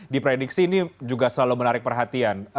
di prediksi ini juga selalu menarik perhatian